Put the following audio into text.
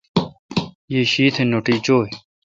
یی شیتھ نوٹی چوی۔